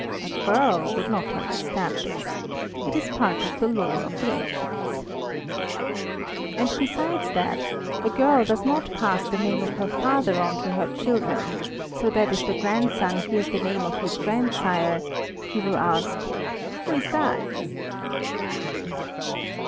A girl would not understand this it is part of the lore of the ancients. And besides that, a girl does not pass the name of her father on to her children, so that if the grandson hears the name of his grandsire, he will ask who is that?